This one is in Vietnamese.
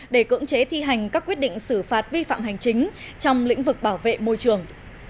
để cưỡng chế thi hành các quyết định xử phạt vi phạm hành chính trong lĩnh vực bảo vệ môi trường